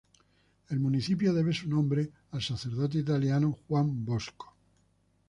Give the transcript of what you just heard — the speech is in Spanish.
El municipio debe su nombre al sacerdote italiano Juan Bosco.